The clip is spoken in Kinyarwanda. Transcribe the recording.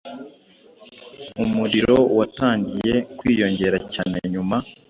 umuriro watangiye kwiyongera cyane nyuma